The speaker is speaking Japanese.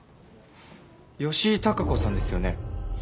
吉井貴子さんですよね？